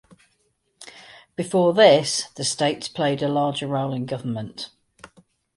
Before this, the states played a larger role in government.